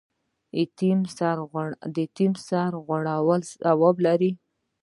د یتیم سر غوړول ثواب دی